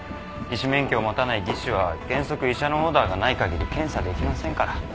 医師免許を持たない技師は原則医者のオーダーがないかぎり検査できませんから。